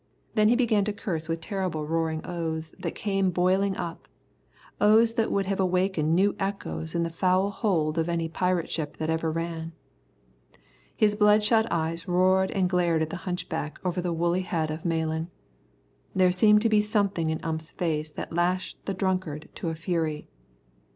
Then he began to curse with terrible roaring oaths that came boiling up, oaths that would have awakened new echoes in the foul hold of any pirate ship that ever ran. His bloodshot eyes rolled and glared at the hunchback over the woolly head of Malan. There seemed to be something in Ump's face that lashed the drunkard to a fury.